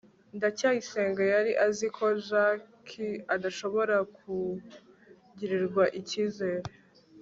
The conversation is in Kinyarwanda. ndacyayisenga yari azi ko jaki adashobora kugirirwa ikizere